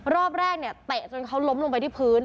รอบแรกเนี่ยเตะจนเขาล้มลงไปที่พื้น